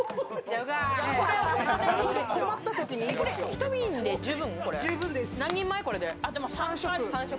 １瓶で十分？